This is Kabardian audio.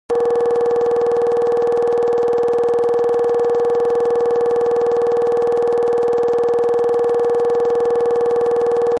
Мор тхуейщ, абы пэмыжыжьэу щытым мэзыдэ къыпокӀэ, мис мыри мышхумпӀей жыг лъэпкъщ.